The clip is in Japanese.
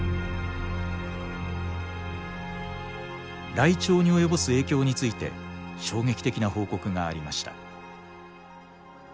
ライチョウに及ぼす影響について衝撃的な報告がありました。